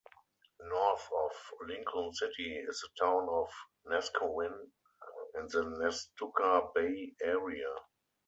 North of Lincoln City is the town of Neskowin and the Nestucca Bay area.